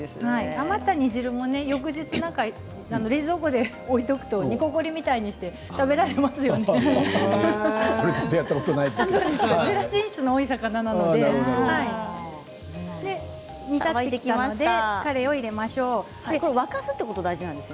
余った煮汁も翌日冷蔵庫に置いておくと煮こごりみたいにしてそれはやったことないです。